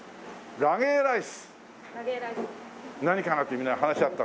ラゲーライス。